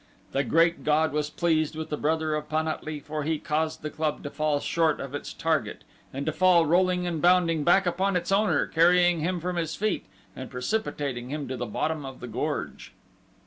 The Great God was pleased with the brother of Pan at lee, for he caused the club to fall short of its target, and to fall, rolling and bounding, back upon its owner carrying him from his feet and precipitating him to the bottom of the gorge.